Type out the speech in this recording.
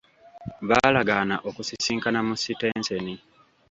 Baalagaana okusisinkana mu sitenseni.